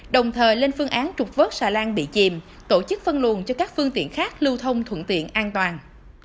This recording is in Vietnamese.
đồng thời lên phương án trục vớt xà lan bị chìm tổ chức phân luồn cho các phương tiện khác lưu thông thuận tiện an toàn